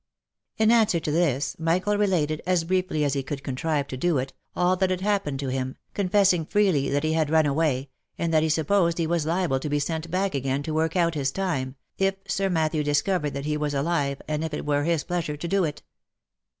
In answer to this, Michael related, as briefly as he could contrive to do it, all that had happened to him, confessing freely that he had run away, and that he supposed he was liable to be sent back again to work out his time, if Sir Matthew discovered that he was alive, and if it were his pleasure to do it.